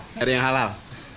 oh yang halal